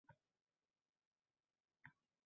Keyin, quchog’imga to’lding baxt misol —